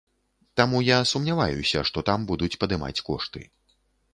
Таму я сумняваюся, што там будуць падымаць кошты.